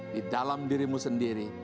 di dalam dirimu sendiri